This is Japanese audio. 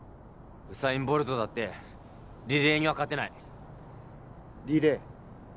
ウサイン・ボルトだってリレーには勝てないリレー？